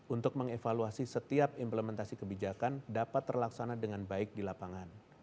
untuk mengevaluasi setiap implementasi kebijakan dapat terlaksana dengan baik di lapangan